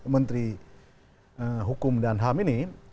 menteri hukum dan ham ini